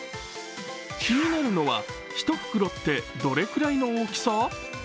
気になるのは１袋って、どれくらいの大きさ？